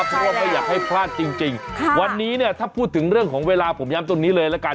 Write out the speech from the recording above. เพราะว่าไม่อยากให้พลาดจริงวันนี้เนี่ยถ้าพูดถึงเรื่องของเวลาผมย้ำตรงนี้เลยละกัน